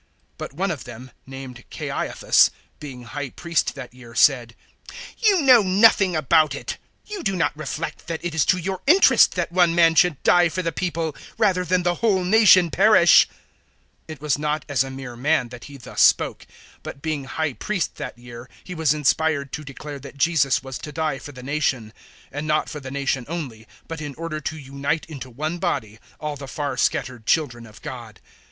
011:049 But one of them, named Caiaphas, being High Priest that year, said, "You know nothing about it. 011:050 You do not reflect that it is to your interest that one man should die for the people rather than the whole nation perish." 011:051 It was not as a mere man that he thus spoke. But being High Priest that year he was inspired to declare that Jesus was to die for the nation, 011:052 and not for the nation only, but in order to unite into one body all the far scattered children of God.